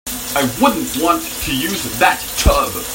I wouldn't want to use that tub.